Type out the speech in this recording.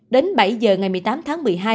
đến bảy giờ ngày một mươi tám tháng một mươi hai